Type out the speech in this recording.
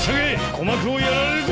鼓膜をやられるぞ！